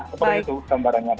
seperti itu gambarannya